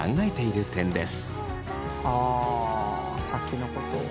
あ先のことを。